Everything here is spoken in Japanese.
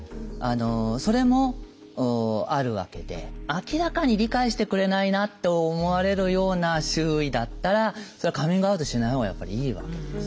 それもあるわけで明らかに理解してくれないなと思われるような周囲だったらそれはカミングアウトしないほうがやっぱりいいわけです。